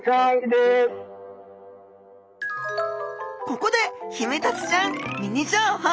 ここでヒメタツちゃんミニ情報！